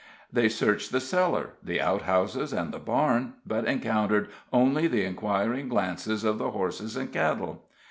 They searched the cellar, the outhouses, and the barn, but encountered only the inquiring glances of the horses and cattle.